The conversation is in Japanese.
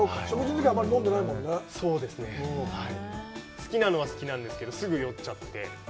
好きなのは好きなんですけど、すぐに酔っちゃって。